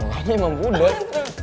alahnya emang budot